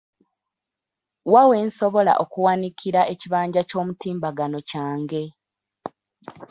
Wa we nsobola okuwanikira ekibanja ky'omutimbagano kyange?